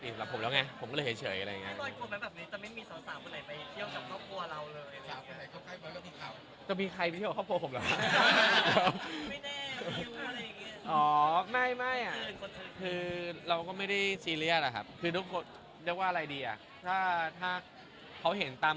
มีคนเข้าใจผิดยังไงว่าคุณคุณคนนั้นเป็นแบบ